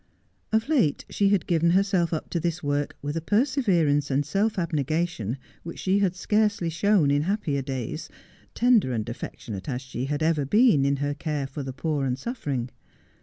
Of late she had given her self up to this work with a perseverance and self abnegation which she had scarcely shown in happier days, tender and* affec tionate as she had ever been in her care for the poor and the suffering.